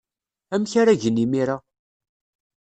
Amek ara gen imir-a?